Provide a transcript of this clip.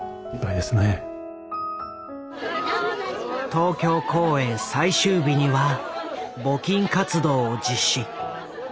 東京公演最終日には募金活動を実施。